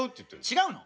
違うの？